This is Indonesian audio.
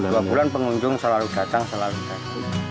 dua bulan pengunjung selalu datang selalu datang